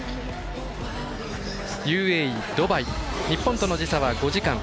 ＵＡＥ、ドバイ日本との時差は５時間。